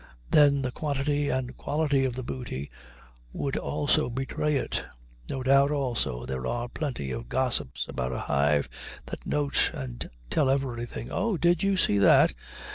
Then the quantity and quality of the booty would also betray it. No doubt, also, there are plenty of gossips about a hive that note and tell everything. "Oh, did you see that?